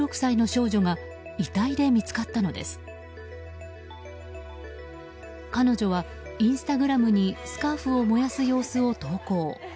彼女は、インスタグラムにスカーフを燃やす様子を投稿。